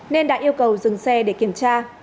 nên đã yêu cầu dừng xe để kiểm tra